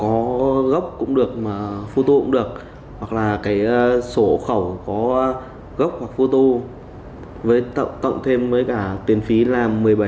có gốc cũng được mà phu tụ cũng được hoặc là cái sổ khẩu có gốc hoặc phô tô với cộng thêm với cả tiền phí là một mươi bảy